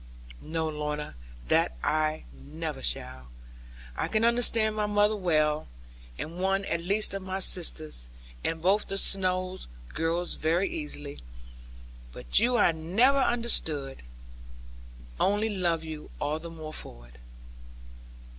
'No, Lorna, that I never shall. I can understand my mother well, and one at least of my sisters, and both the Snowe girls very easily, but you I never understand; only love you all the more for it.'